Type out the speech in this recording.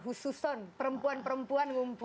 ususon perempuan perempuan ngumpul